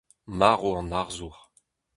Marv an arzour.